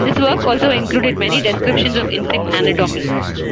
This work also included many descriptions of insect anatomy.